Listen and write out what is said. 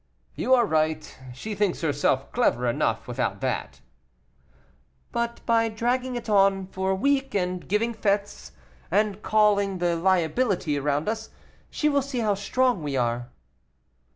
"You are right, she thinks herself clever enough without that." "But by dragging it on for a week, and giving fêtes, and calling the liability around us, she will see how strong we are."